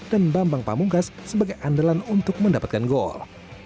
dan bambang pamungkas sebagai andalan untuk mendapatkan gol